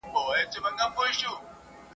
سوی یم ایره سوم پروانې را پسي مه ګوره ..